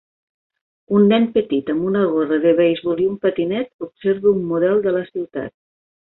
Un nen petit amb una gorra de beisbol i un patinet observa un model de la ciutat.